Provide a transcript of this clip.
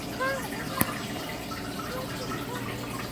当日股票交易所休市以示悼念。